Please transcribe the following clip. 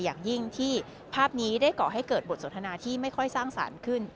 อย่างยิ่งที่ภาพนี้ได้ก่อให้เกิดบทสนทนาที่ไม่ค่อยสร้างสรรค์ขึ้น